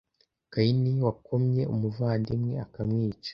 kayini wakomye umuvandimwe akamwica